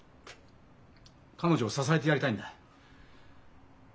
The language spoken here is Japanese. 彼女を支えてやりたいんだ。